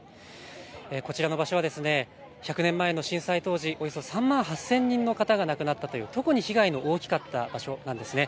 こちらの場所は１００年前の震災当時、およそ３万８０００人の方が亡くなったという、特に被害の大きかった場所なんですね。